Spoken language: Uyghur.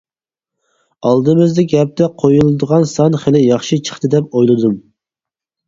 ئالدىمىزدىكى ھەپتە قويۇلىدىغان سان خېلى ياخشى چىقتى دەپ ئويلىدىم.